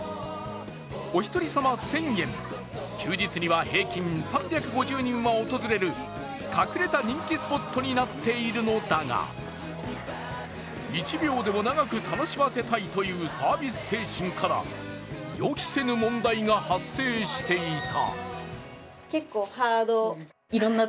お一人様１０００円、休日には平均３５０人は訪れる隠れた人気スポットになっているのだが、１秒でも長く楽しませたいというサービス精神から予期せぬ問題が発生していた。